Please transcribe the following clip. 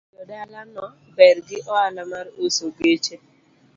Jodala no ber gi oala mar uso geche